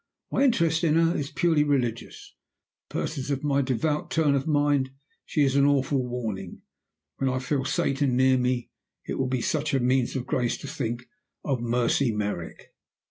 My interest in her is purely religious. To persons of my devout turn of mind she is an awful warning. When I feel Satan near me it will be such a means of grace to think of Mercy Merrick!